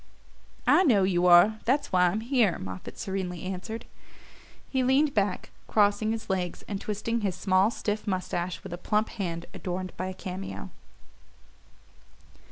"I know you are: that's why I'm here," Moffatt serenely answered. He leaned back, crossing his legs, and twisting his small stiff moustache with a plump hand adorned by a cameo.